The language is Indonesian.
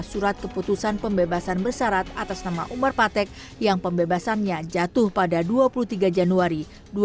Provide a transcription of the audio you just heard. surat keputusan pembebasan bersyarat atas nama umar patek yang pembebasannya jatuh pada dua puluh tiga januari